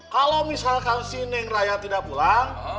kalau misalkan si neng raya tidak pulang